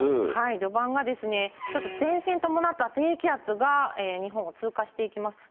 序盤が、ちょっと前線伴った低気圧が日本を通過していきます。